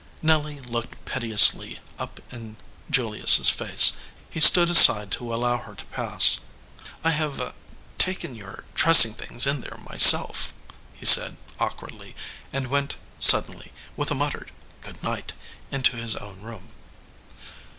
Nelly looked piteously up in Julius s face. He stood aside to allow her to pass. "I have taken your dressing things in there my self," he said, awkwardly, and went suddenly, with a muttered "Good night," into his own room.